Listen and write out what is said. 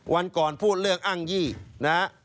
วันก่อนพูดเรื่องอ้างยี่นะฮะ